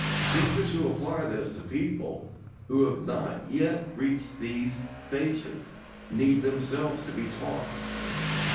Teachers who apply this to people who have not yet reached these stations need themselves to be taught.